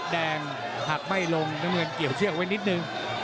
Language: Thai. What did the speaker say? แดงหักไม่ล่งเกี่ยวเสื้อกันไว้นิดนึง